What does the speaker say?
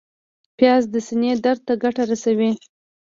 پیاز د سینې درد ته ګټه رسوي